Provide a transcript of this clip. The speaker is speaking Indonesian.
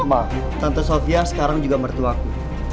tante sofia sekarang juga mertuaku